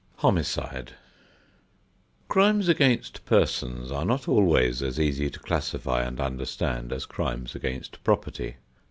X HOMICIDE Crimes against persons are not always as easy to classify and understand as crimes against property.